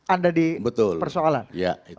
anda di persoalan betul